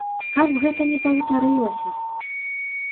Каб гэта не паўтарылася.